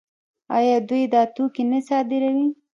آیا دوی دا توکي نه صادروي؟